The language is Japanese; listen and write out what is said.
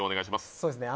はいそうですね